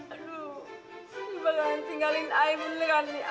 aduh yu bakalan tinggalin ayo beneran nih